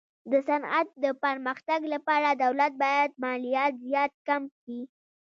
د صنعت د پرمختګ لپاره دولت باید مالیات زیات کم کي.